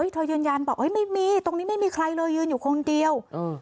เธอยืนยันบอกไม่มีตรงนี้ไม่มีใครเลยยืนอยู่คนเดียว